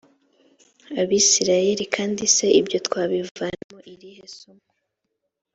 abisirayeli kandi se ibyo twabivanamo irihe somo